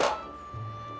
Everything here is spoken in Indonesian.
udah lulus s empat